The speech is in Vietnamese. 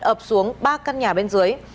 ập xuống ba căn nhà bên dưới